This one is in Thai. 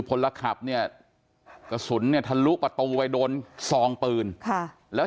พลขับเนี่ยกระสุนเนี่ยทะลุประตูไปโดนซองปืนค่ะแล้ว